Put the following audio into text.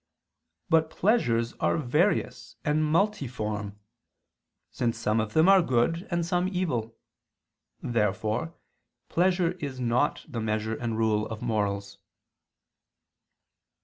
But pleasures are various and multiform: since some of them are good, and some evil. Therefore pleasure is not the measure and rule of morals.